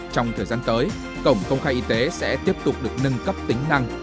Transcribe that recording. trong thời gian tới cổng công khai y tế sẽ tiếp tục được nâng cấp tính năng